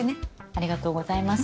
ありがとうございます。